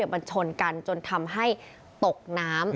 มันชนกันจนทำให้ตกน้ำ